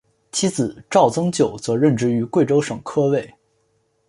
妻子赵曾玖则任职于贵州省科委。